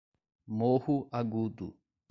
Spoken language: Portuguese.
Morro Agudo